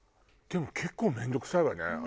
でも結構面倒くさいわね。